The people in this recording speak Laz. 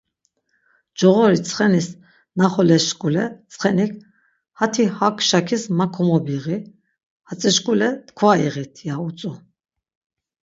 Coğori ntsxenis naxolesşkule ntsxenik 'Hati hak şakis ma komobiği, hatzişkule tkva iğit' ya utzu.